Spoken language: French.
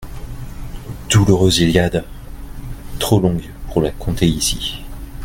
Douloureuse Iliade ! trop longue pour la conter ici.